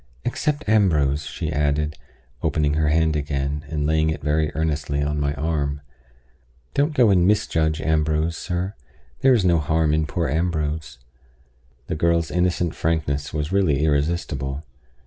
"Except Ambrose," she added, opening her hand again, and laying it very earnestly on my arm. "Don't go and misjudge Ambrose, sir. There is no harm in poor Ambrose." The girl's innocent frankness was really irresistible.